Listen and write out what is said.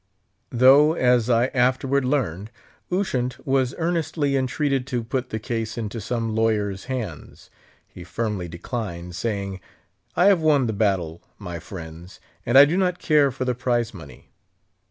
Though, as I afterward learned, Ushant was earnestly entreated to put the case into some lawyer's hands, he firmly declined, saying, "I have won the battle, my friends, and I do not care for the prize money."